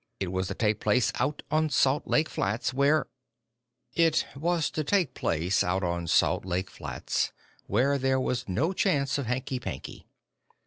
It was to take place out on Salt Lake Flats, where "It was to take place out on Salt Lake Flats, where there was no chance of hanky panky.